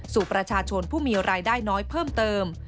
สู่ประชาชนผู้มีรายได้น้อยเพิ่มเติม